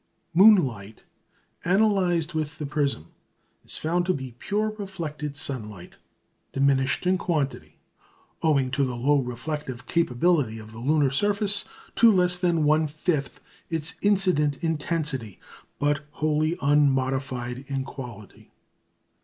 Moonlight, analysed with the prism, is found to be pure reflected sunlight, diminished in quantity, owing to the low reflective capability of the lunar surface, to less than one fifth its incident intensity, but wholly unmodified in quality.